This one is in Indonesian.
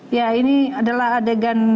ya ini adalah adegan